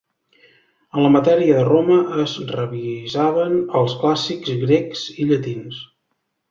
En la matèria de Roma es revisaven els clàssics grecs i llatins.